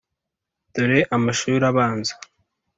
dore amashuri abanza.